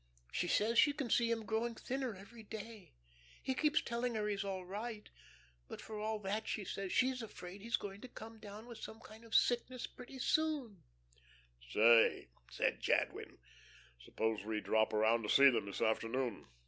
She says she can see him growing thinner every day. He keeps telling her he's all right, but for all that, she says, she's afraid he's going to come down with some kind of sickness pretty soon." "Say," said Jadwin, "suppose we drop around to see them this afternoon?